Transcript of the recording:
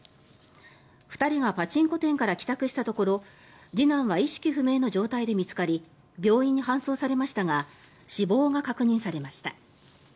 ２人がパチンコ店から帰宅したところ次男は意識不明の状態で見つかり病院に搬送されましたが死亡が確認されました。